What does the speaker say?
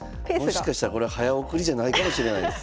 もしかしたらこれ早送りじゃないかもしれないです。